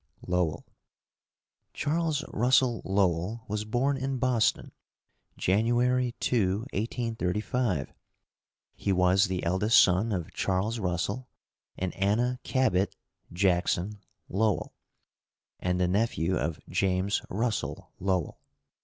Lowell. Charles Russell Lowell was born in Boston, January 2, 1835. He was the eldest son of Charles Russell and Anna Cabot (Jackson) Lowell, and the nephew of James Russell Lowell.